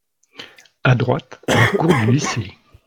A droite, la cour du lycée.